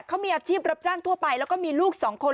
เขามีอาชีพรับจ้างทั่วไปแล้วก็มีลูกสองคน